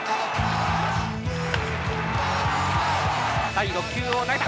第６球を投げた！